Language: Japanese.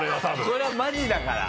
これはマジだから。